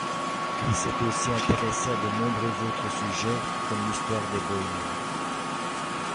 Il s'est aussi intéressé à de nombreux autres sujets, comme l'histoire des Bohémiens.